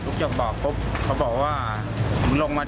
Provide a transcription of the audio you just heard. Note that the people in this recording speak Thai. มีประวัติศาสตร์ที่สุดในประวัติศาสตร์